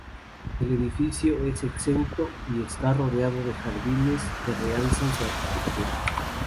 El edificio es exento y está rodeado de jardines que realzan su arquitectura.